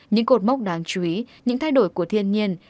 những cột mốc đáng chú ý những thay đổi của thiên nhiên